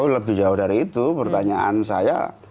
lebih jauh dari itu pertanyaan saya